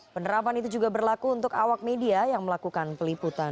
penerapan itu juga berlaku untuk awak media yang melakukan peliputan